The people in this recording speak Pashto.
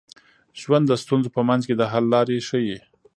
ژوند د ستونزو په منځ کي د حل لارې ښيي.